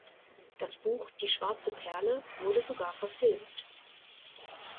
Das Buch "Die schwarze Perle" wurde sogar verfilmt.